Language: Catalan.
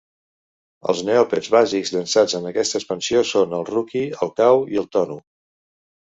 Els Neopets bàsics llançats en aquesta expansió són el Ruki, el Kau i el Tonu.